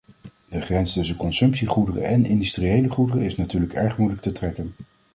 De grens tussen consumptiegoederen en industriële goederen is natuurlijk erg moeilijk te trekken.